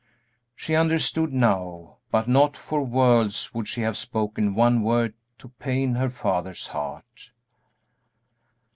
She understood now, but not for worlds would she have spoken one word to pain her father's heart.